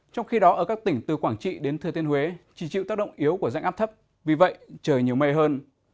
trong khi đó ở các tỉnh từ quảng trị đến thừa thiên huế chỉ chịu tác động yếu của dạnh áp thấp vì vậy trời nhiều mây hơn